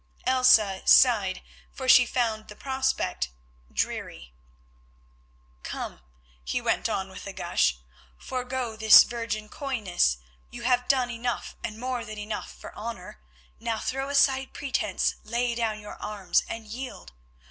Elsa sighed, for she found the prospect dreary. "Come," he went on with a gush, "forego this virgin coyness, you have done enough and more than enough for honour, now throw aside pretence, lay down your arms and yield.